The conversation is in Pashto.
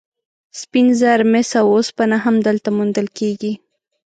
سپین زر، مس او اوسپنه هم دلته موندل کیږي.